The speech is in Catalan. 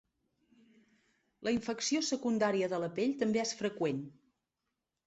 La infecció secundària de la pell també és freqüent.